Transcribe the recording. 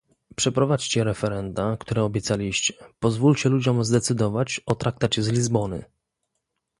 przeprowadźcie referenda, które obiecaliście, pozwólcie ludziom zdecydować o traktacie z Lizbony